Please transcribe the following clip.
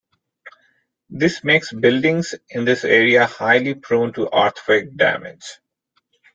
This makes buildings in this area highly prone to earthquake damage.